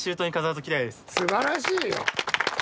すばらしいよ！